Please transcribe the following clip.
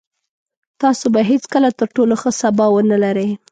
تاسو به هېڅکله تر ټولو ښه سبا ونلرئ.